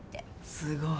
すごい。